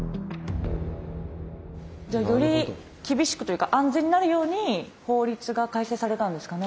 じゃあより厳しくというか安全になるように法律が改正されたんですかね。